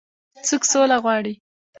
څوک سوله غواړي.